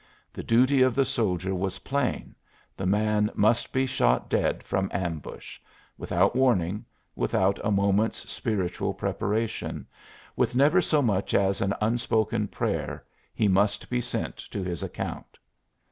The duty of the soldier was plain: the man must be shot dead from ambush without warning, without a moment's spiritual preparation, with never so much as an unspoken prayer, he must be sent to his account.